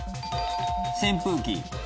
扇風機。